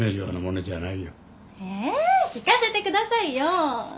えー聞かせてくださいよ。